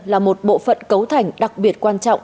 là một bộ phận cấu thành đặc biệt quan trọng